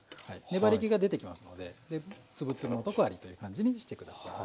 粘りけが出てきますので粒々のとこありという感じにして下さい。